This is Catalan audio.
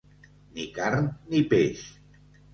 Ni carn ni peix.